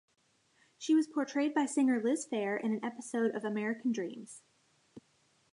She was portrayed by singer Liz Phair in an episode of "American Dreams".